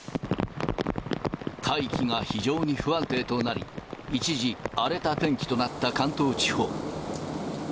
大気が非常に不安定となり、一時、荒れた天気となった関東地方。